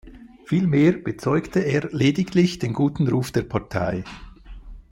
Vielmehr bezeugte er lediglich den „guten Ruf“ der Partei.